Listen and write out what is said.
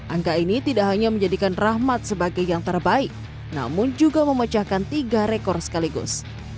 angka ini tidak hanya menjadikan rahmat sebagai yang terbaik namun juga memecahkan tiga rekor sekaligus